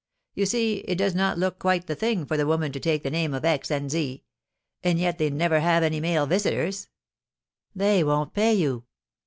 You see, it does not look quite the thing for women to take the name of 'X.' and 'Z.' And yet they never have any male visitors." "They won't pay you."